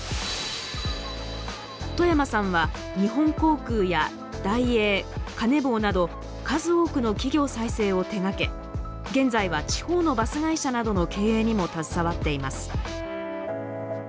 冨山さんは、日本航空やダイエーカネボウなど数多くの企業再生を手がけ現在は地方のバス会社などの経営にも携わっています。